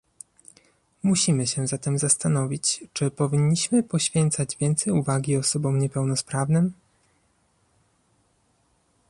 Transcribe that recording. Musimy się zatem zastanowić, czy powinniśmy poświęcać więcej uwagi osobom niepełnosprawnym